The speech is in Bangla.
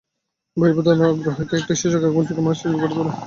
বইয়ের প্রতি আগ্রহই একটি শিশুকে আগামীর যোগ্য মানুষ হিসেবে গড়ে তুলবে।